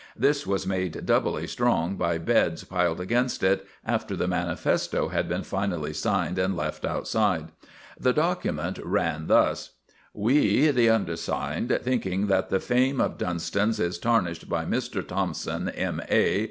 This was made doubly strong by beds piled against it, after the manifesto had been finally signed and left outside. The document ran thus: "We, the undersigned, thinking that the fame of Dunston's is tarnished by Mr. Thompson, M.A.